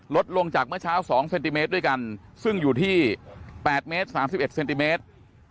ลดลงจากเมื่อเช้า๒เซนติเมตรด้วยกันซึ่งอยู่ที่๘เมตร๓๑เซนติเมตร